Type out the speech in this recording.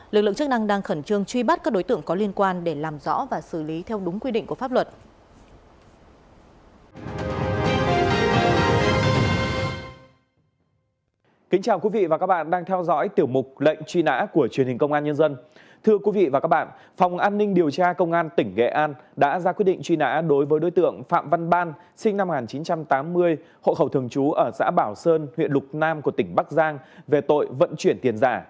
lực lượng chức năng đang khẩn trương truy bắt các đối tượng có liên quan để làm rõ và xử lý theo đúng quy định của pháp luật